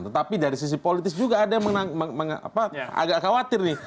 tetapi dari sisi politis juga ada yang agak khawatir nih